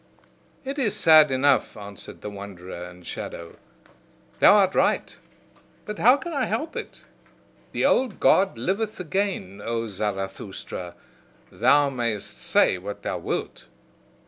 "It is sad enough," answered the wanderer and shadow, "thou art right: but how can I help it! The old God liveth again, O Zarathustra, thou mayst say what thou wilt.